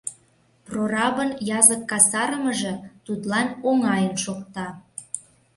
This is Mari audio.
Прорабын язык касарымыже тудлан оҥайын шокта.